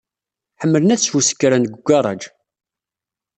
Ḥemmlen ad sfuskren deg ugaṛaj.